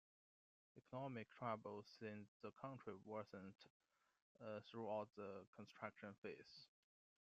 Economic troubles in the country worsened throughout the construction phase.